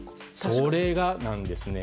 それがなんですよね。